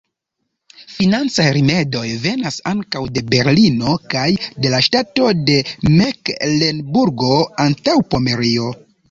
Financaj rimedoj venas ankaŭ de Berlino kaj de la ŝtato de Meklenburgo-Antaŭpomerio.